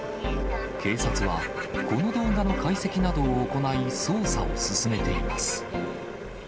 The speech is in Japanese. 警察はこの動画の解析などを行い、捜査を進めています。